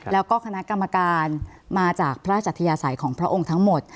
แล้วก็คณะกรรมการมาจากพระราชยาศัยของพระองค์ทั้งหมด